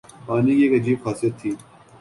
پانی کی ایک عجیب خاصیت تھی